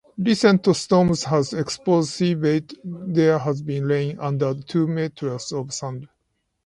Recent storms had exposed seabed that had lain under two metres of sand.